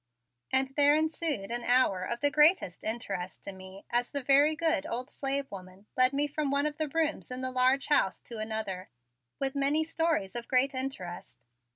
And there ensued an hour of the greatest interest to me as the very good old slave woman led me from one of the rooms in the large house to another, with many stories of great interest.